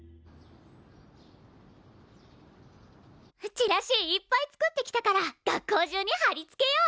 チラシいっぱい作ってきたから学校中にはりつけよう！